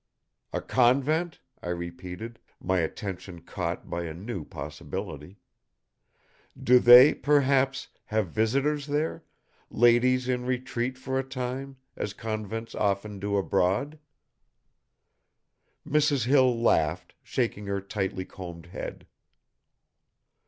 "A convent?" I repeated, my attention caught by a new possibility. "Do they, perhaps, have visitors there, ladies in retreat for a time, as convents often do abroad?" Mrs. Hill laughed, shaking her tightly combed head.